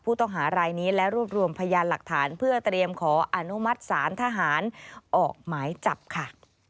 ผู้ต้องหารายนี้และรวบรวมพยานหลักฐานเพื่อเตรียมขออนุมัติศาลทหารออกหมายจับค่ะ